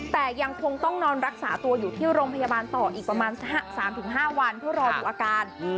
แต่ยังคงต้องนอนรักษาตัวอยู่ที่โรงพยาบาลต่ออีกประมาณ๓๕วันเพื่อรอดูอาการ